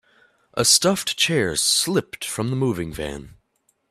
A stuffed chair slipped from the moving van.